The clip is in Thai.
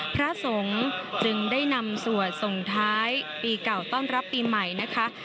พระสงฆ์จึงได้นำสวดส่งท้ายปีเก่าต้อนรับปีใหม่นะคะ